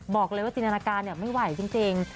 บอกเลยว่าจินภาคมันไม่ไหวจริง